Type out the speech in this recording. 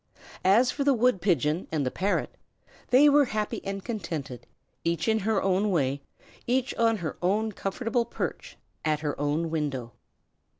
As for the wood pigeon and the parrot, they were happy and contented, each in her own way, each on her own comfortable perch, at her own window.